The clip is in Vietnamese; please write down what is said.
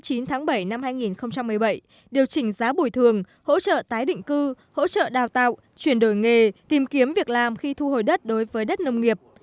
ngày một mươi chín tháng bảy năm hai nghìn một mươi bảy điều chỉnh giá bồi thường hỗ trợ tái định cư hỗ trợ đào tạo chuyển đổi nghề tìm kiếm việc làm khi thu hồi đất đối với đất nông nghiệp